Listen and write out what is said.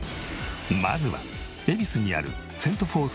まずは恵比寿にあるんや。